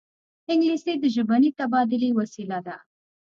انګلیسي د ژبني تبادلې وسیله ده